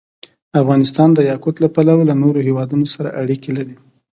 افغانستان د یاقوت له پلوه له نورو هېوادونو سره اړیکې لري.